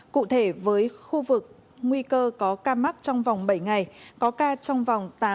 cụ thể với khu vực nguy cơ có ca mắc trong vòng bảy ngày có ca trong vòng